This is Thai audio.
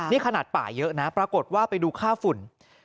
นี่ขนาดป่าเยอะนะปรากฏว่าไปดูค่าฝุ่น